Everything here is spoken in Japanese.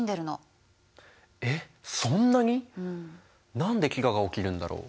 何で飢餓が起きるんだろう？